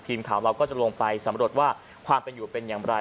ทีมข่าวเราก็จะลงไปสำรวจว่าความเป็นอยู่เป็นอย่างไร